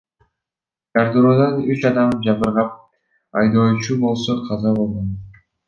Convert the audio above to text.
Жардыруудан үч адам жабыркап, айдоочу болсо каза болгон.